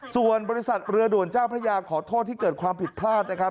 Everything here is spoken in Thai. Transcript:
ส่วนบริษัทเรือด่วนเจ้าพระยาขอโทษที่เกิดความผิดพลาดนะครับ